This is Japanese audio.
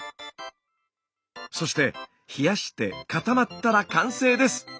そして冷やして固まったら完成です。